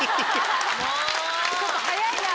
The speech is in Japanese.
ちょっと速いな。